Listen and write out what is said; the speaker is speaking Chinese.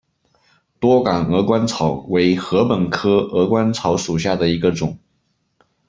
多秆鹅观草为禾本科鹅观草属下的一个种。